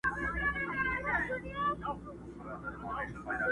هغه ځان په بېلابېلو ښځينه نومونو کي ويني تل بيا